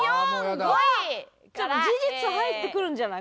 事実入ってくるんじゃない？